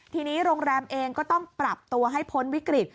ทีนี้โรงแรมเองก็ต้องปรับตัวให้พ้นวิกฤต